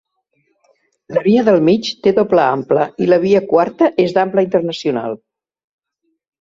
La via del mig té doble ample, i la via quarta és d'ample internacional.